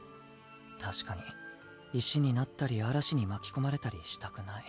確かに石になったり嵐に巻き込まれたりしたくない。